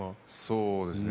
そうですね。